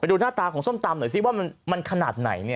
ไปดูหน้าตาของส้มตำเลยสิว่ามันขนาดไหนเนี่ย